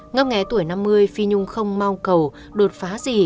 ngấp nghé tuổi năm mươi phi nhung không mau cầu đột phá gì